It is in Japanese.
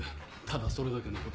ただそれだけのこと。